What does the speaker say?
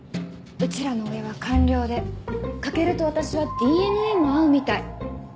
うちらの親は官僚で翔と私はＤＮＡも合うみたい。